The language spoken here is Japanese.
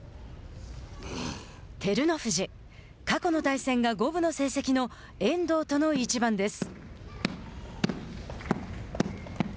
照ノ富士過去の対戦が五分の成績の遠藤との一番です。